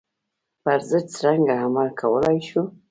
پر ضد څرنګه عمل کولای شم.